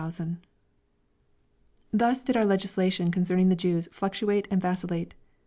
Thus did our legislation concerning the Jews fluctuate and vacillate.